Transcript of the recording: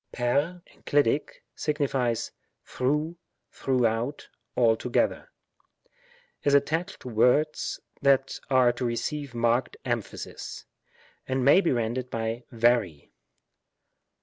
ntQ (enclitic), signifies through^ tJirougJiout^ alto geiher ; is attached to words that are to receive marked emphasis, and may be rendered by wry.